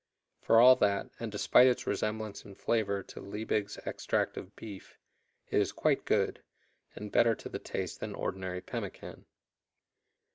For all that, and despite its resemblance in flavor to Liebig's Extract of Beef, it is quite good, and better to the taste than ordinary pemmican.